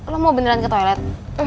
lo mau beneran ke toilet